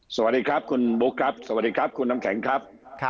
สวัสดีครับคุณบุ๊คครับสวัสดีครับคุณน้ำแข็งครับ